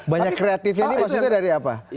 banyak kreatif ini maksudnya dari apa